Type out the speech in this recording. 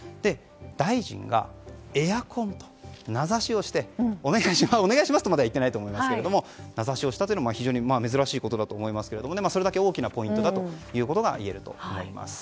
大臣がエアコンと名指しをしてお願いしますとまでは言っていないと思いますが名指しをしたというのは非常に珍しいことだと思いますがそれだけ大きなポイントだということが言えると思います。